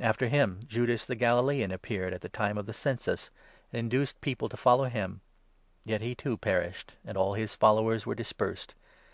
After him, Judas the Galilean appeared 37 at the time of the census, and induced people to follow him ; yet he, too, perished and all his followers were dispersed.